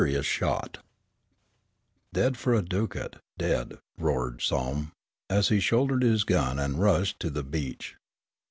S SHOT EAD, for a ducat, dead," roared Somm, as he shouldered his gun and rushed to the beach.